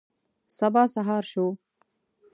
سبا سهار شو.